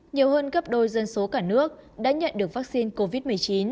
nhiều hơn gấp đôi dân số cả nước đã nhận được vaccine covid một mươi chín